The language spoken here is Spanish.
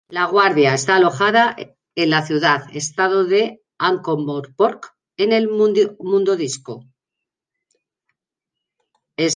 La Guardia está alojada en la Ciudad-Estado de Ankh-Morpork en el Mundodisco.